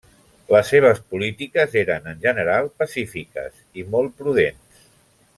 Les seves polítiques eren en general pacífiques, i molt prudents.